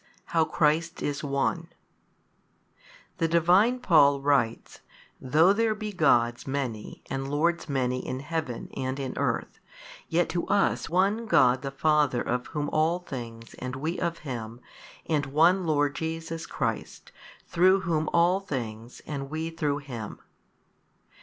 How Christ is One. The Divine Paul writes, Though there be gods many and lords many in heaven and in earth, yet to us One God the Father of Whom all things and we of Him, and One Lord Jesus Christ through Whom all things and we through Him.